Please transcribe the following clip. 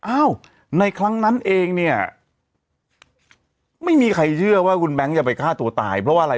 อ้าวในครั้งนั้นเองเนี่ยไม่มีใครเชื่อว่าคุณแบงค์จะไปฆ่าตัวตายเพราะว่าอะไร